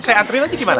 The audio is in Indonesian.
saya anterin aja gimana